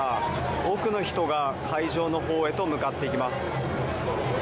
多くの人が会場のほうへと向かっていきます。